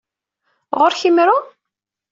Ɣer-k imru?